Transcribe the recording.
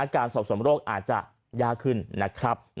การสอบส่วนโรคอาจจะยากขึ้นนะครับ